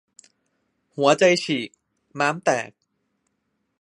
หัวใจฉีก-ม้ามแตก